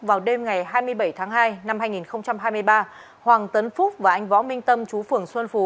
vào đêm ngày hai mươi bảy tháng hai năm hai nghìn hai mươi ba hoàng tấn phúc và anh võ minh tâm chú phường xuân phú